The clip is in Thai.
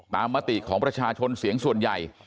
มติของประชาชนเสียงส่วนใหญ่